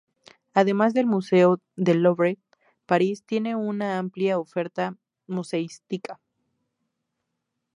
Además del Museo del Louvre, París tiene una amplia oferta museística.